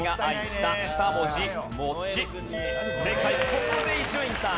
ここで伊集院さん。